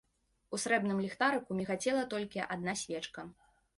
У срэбным ліхтарыку мігацела толькі адна свечка.